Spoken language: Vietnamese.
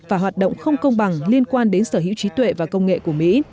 và hoạt động không công bằng liên quan đến sở hữu trí tuệ và công nghệ của mỹ